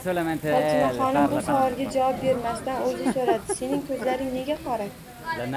Fotimaxonim bu savolga javob bermasdan o'zi so'radi: Sening ko'zlaring nega qora?